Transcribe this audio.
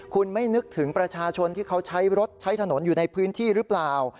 คุณไม่นึกถึงประชาชนที่เขาใช้รถใช้ถนนอยู่ในพื้นที่หรือเปล่า